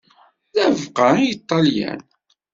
D abeqqa i Ṭalyan.